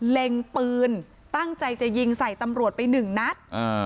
เล็งปืนตั้งใจจะยิงใส่ตำรวจไปหนึ่งนัด